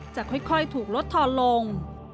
จะค่อยถูกลดทอนลง